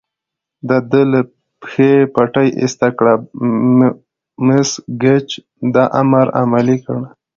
د ده له پښې پټۍ ایسته کړه، مس ګېج دا امر عملي کړ.